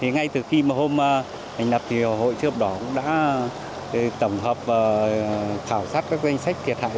ngay từ khi hôm thành lập hội chữ thập đỏ cũng đã tổng hợp và khảo sát các danh sách thiệt hại